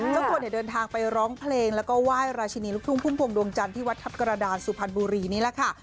เจ้าตัวเนี่ยเดินทางไปร้องเพลงแล้วก็ไหว้ราชินีลูกทุ่งพุ่มพวงดวงจันทร์ที่วัดทัพกระดานสุพรรณบุรีนี่แหละค่ะ